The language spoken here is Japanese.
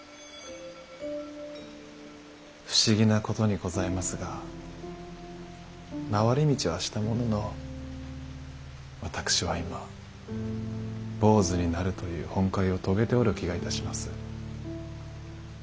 不思議なことにございますが回り道はしたものの私は今坊主になるという本懐を遂げておる気がいたします。